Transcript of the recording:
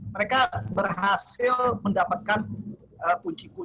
pakar keamanan di twitter